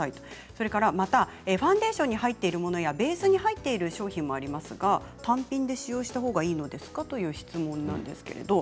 それからファンデーションに入っているものやベースに入っているものもありますが単品で使用したほうがいいのですか？という質問です。